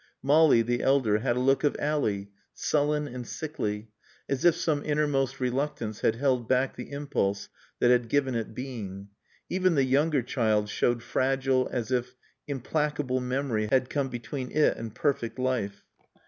Molly, the elder, had a look of Ally, sullen and sickly, as if some innermost reluctance had held back the impulse that had given it being. Even the younger child showed fragile as if implacable memory had come between it and perfect life.